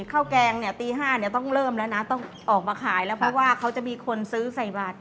แกงเนี่ยตี๕เนี่ยต้องเริ่มแล้วนะต้องออกมาขายแล้วเพราะว่าเขาจะมีคนซื้อใส่บัตร